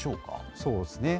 そうですね。